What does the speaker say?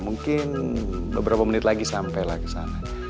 mungkin beberapa menit lagi sampai lah ke sana